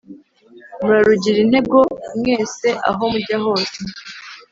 Murarugire intego mwese aho mujya hose